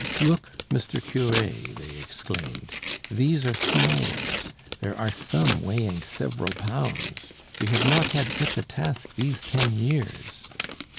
"Look, Mr. Curé," they exclaimed, "these are small ones. There are some weighing several pounds. We have not had such a task these ten years."